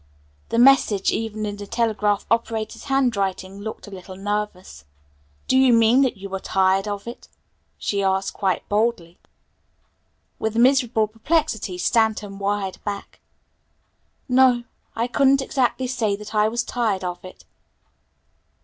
The message even in the telegraph operator's handwriting looked a little nervous. "Do you mean that you are tired of it?" she asked quite boldly. With miserable perplexity Stanton wired back. "No, I couldn't exactly say that I was tired of it."